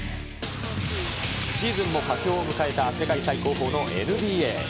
シーズンも佳境を迎えた、世界最高峰のＮＢＡ。